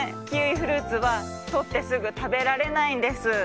キウイフルーツはとってすぐたべられないんです。